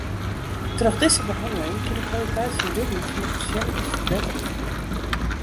Troch dizze behanneling kin de kwaliteit fan libben fan de pasjinten ferbetterje.